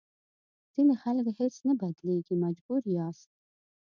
ځینې خلک هېڅ نه بدلېږي مجبور یاست.